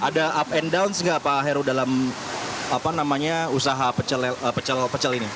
ada up and downs gak pak heru dalam apa namanya usaha pecel pecel ini